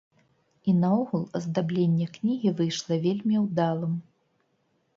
І наогул аздабленне кнігі выйшла вельмі ўдалым.